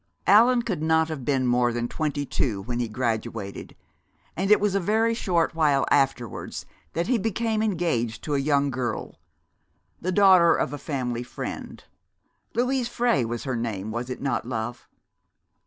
"Allan could not have been more than twenty two when he graduated, and it was a very short while afterwards that he became engaged to a young girl, the daughter of a family friend. Louise Frey was her name, was it not, love?"